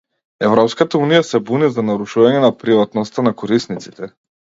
Европската Унија се буни за нарушување на приватноста на корисниците.